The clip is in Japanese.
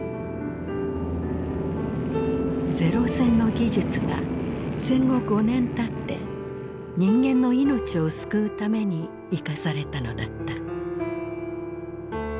零戦の技術が戦後５年たって人間の命を救うために生かされたのだった。